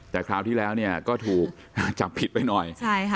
แต่คราวที่แล้วก็ถูกจับผิดไปหน่อย